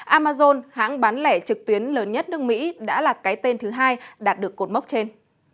amazon hãng bán lẻ trực tuyến lớn nhất nước mỹ đã là cái tên thứ hai đạt được cột mốc trên